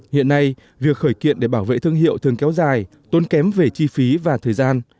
hiện nay việc khởi kiện để bảo vệ thương hiệu thường kéo dài tốn kém về chi phí và thời gian